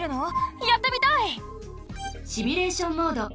シミュレーション・モード。